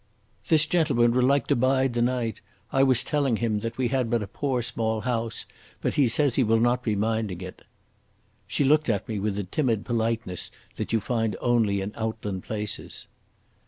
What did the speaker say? "This gentleman would like to bide the night. I wass telling him that we had a poor small house, but he says he will not be minding it." She looked at me with the timid politeness that you find only in outland places.